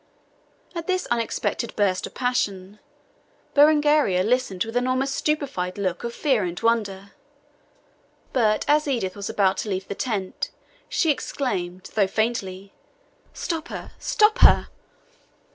At this unexpected burst of passion, Berengaria listened with an almost stupefied look of fear and wonder. But as Edith was about to leave the tent, she exclaimed, though faintly, "Stop her, stop her!"